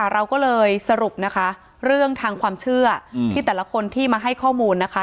เราก็เลยสรุปนะคะเรื่องทางความเชื่อที่แต่ละคนที่มาให้ข้อมูลนะคะ